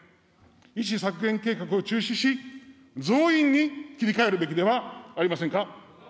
医師削減計画を中止し、増員に切り替えるべきではありませんか。